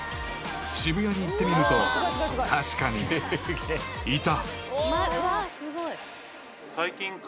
［渋谷に行ってみると確かにいた］